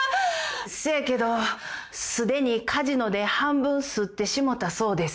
せやけどすでにカジノで半分すってしもたそうです。